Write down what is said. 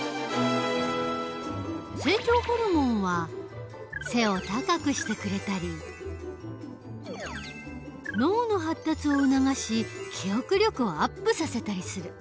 成長ホルモンは背を高くしてくれたり脳の発達を促し記憶力をアップさせたりする。